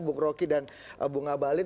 bu kroki dan bu ngabalin